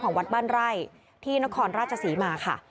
ของวัดบั้นไรค์ที่นครราชศรีมาค่ะ